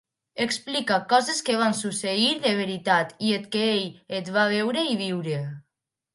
Explica coses que van succeir de veritat i que ell va veure i viure.